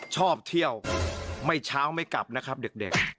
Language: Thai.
ชอบเที่ยวไม่เช้าไม่กลับนะครับเด็ก